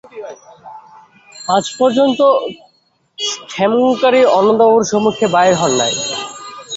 আজ পর্যন্ত ক্ষেমংকরী অন্নদাবাবুর সম্মুখে বাহির হন নাই।